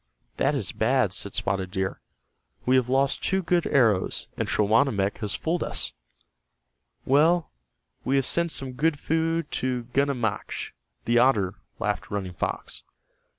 "That is bad," said Spotted Deer. "We have lost two good arrows, and Schawanammek has fooled us." "Well, we have sent some good food to Gunammachk, the otter," laughed Running Fox.